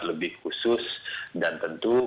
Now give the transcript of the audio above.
lebih khusus dan tentu